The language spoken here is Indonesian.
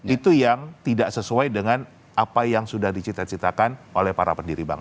itu yang tidak sesuai dengan apa yang sudah dicita citakan oleh para pendiri bank